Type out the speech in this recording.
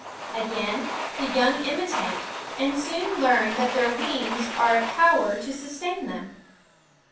Again the young imitate, and soon learn that their wings are a power to sustain them.